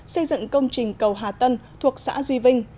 xây dựng công trình cầu hà tân thuộc xã duy vinh